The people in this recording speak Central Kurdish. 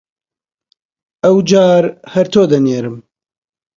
ئەوجار هەر تۆ دەنێرم!